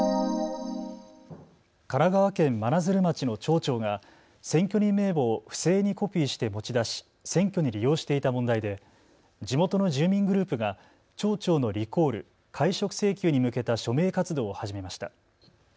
神奈川県真鶴町の町長が選挙人名簿を不正にコピーして持ち出し、選挙に利用していた問題で地元の住民グループが町長のリコール・解職請求に向けた署名活動を始めました。